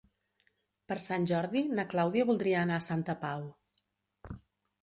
Per Sant Jordi na Clàudia voldria anar a Santa Pau.